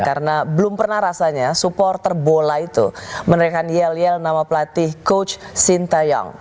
karena belum pernah rasanya supporter bola itu menerima yel yel nama pelatih coach sinta young